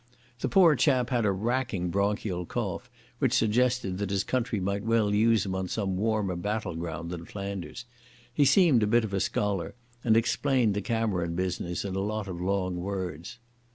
The poor chap had a racking bronchial cough, which suggested that his country might well use him on some warmer battle ground than Flanders. He seemed a bit of a scholar and explained the Cameron business in a lot of long words.